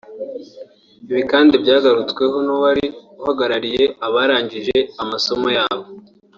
Ibi kandi byagarutsweho n’uwari uhagarariye abarangije amasomo yabo